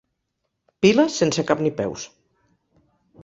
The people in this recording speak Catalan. Piles sense cap ni peus.